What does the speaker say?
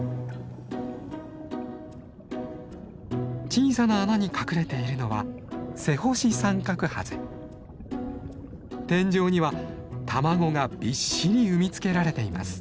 小さな穴に隠れているのは天井には卵がびっしり産み付けられています。